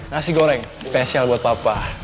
nasi goreng spesial buat papa